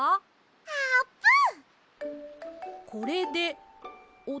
あーぷん！